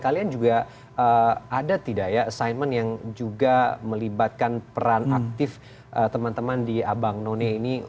kalian juga ada tidak ya assignment yang juga melibatkan peran aktif teman teman di abang none ini